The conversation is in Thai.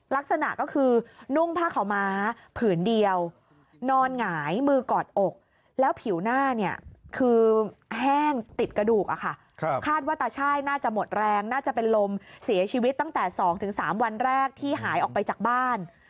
ลักษณะก็คือนุ่งผ้าขาวม้าผืนเดียวนอนหงายมือกอดอกแล้วผิวหน้าเนี่ยคือแห้งติดกระดูกอะค่ะคาดว่าตาช่ายน่าจะหมดแรงน่าจะเป็นลมเสียชีวิตตั้งแต่๒๓วันแรกที่หายออกไปจากบ้าน